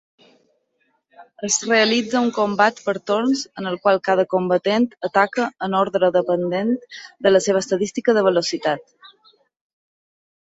Es realitza un combat per torns en el qual cada combatent ataca en ordre depenent de la seva estadística de velocitat.